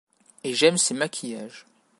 Et j’aime ces maquillages.